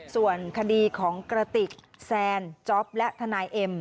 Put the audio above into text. ส่วนคดีของกระติกแซนจ๊อปและทนายเอ็ม